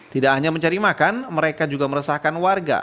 tidak hanya mencari makan mereka juga meresahkan warga